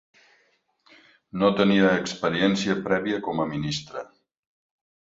No tenia experiència prèvia com a ministre.